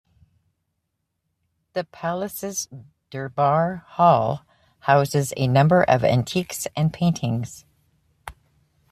The palace's Durbar Hall houses a number of antiques and paintings.